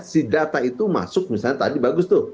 si data itu masuk misalnya tadi bagus tuh